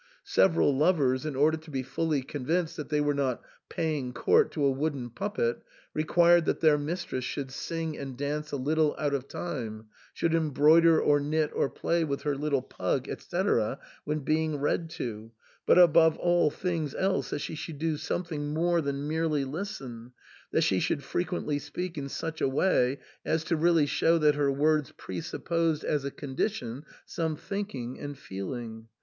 Several lovers, in order to be fully convinced that they were not paying court to a wooden puppet, required that their mistress should sing and dance a little out of time, should embroider or knit or play with her little pug, &c., when being read to, but above all things else that she should do something more than merely listen — that she should frequently speak in such a way as to really show that her words presupposed as a condition some thinking and feeling.